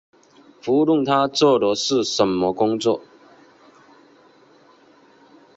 不论他做的是什么工作